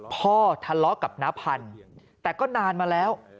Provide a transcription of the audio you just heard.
พ่อทะเลาะกับน้าพันธุ์แต่ก็นานมาแล้ว